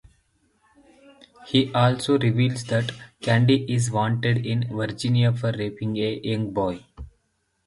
He also reveals that "Candy" is wanted in Virginia for raping a young boy.